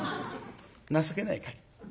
情けないから。